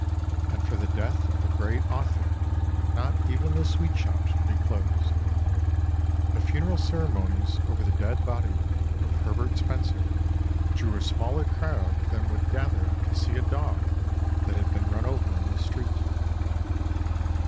And for the death of a great author not even the sweet shops will be closed. The funeral ceremonies over the dead body of Herbert Spencer drew a smaller crowd than would gather to see a dog that had been run over in the street.